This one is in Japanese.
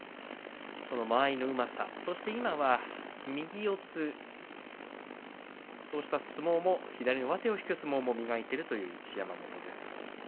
間合いのうまさそして今は右四つそういった相撲左の上手を取る相撲も磨いている一山本です。